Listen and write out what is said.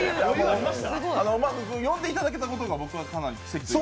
呼んでいただけたことが、僕は、かなり奇跡かなと。